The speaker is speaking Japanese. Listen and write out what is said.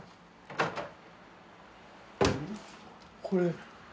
これ。